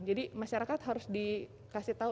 jadi masyarakat harus dikasih tau